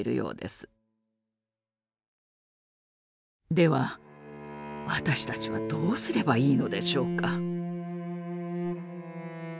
では私たちはどうすればいいのでしょうか？